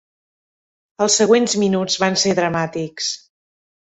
Els següents minuts van ser dramàtics.